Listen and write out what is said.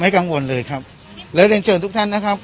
กังวลเลยครับแล้วเรียนเชิญทุกท่านนะครับ